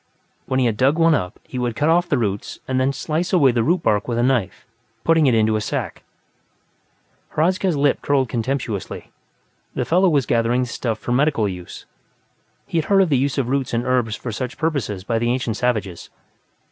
When he had dug one up, he would cut off the roots and then slice away the root bark with a knife, putting it into a sack. Hradzka's lip curled contemptuously; the fellow was gathering the stuff for medicinal use. He had heard of the use of roots and herbs for such purposes by the ancient savages.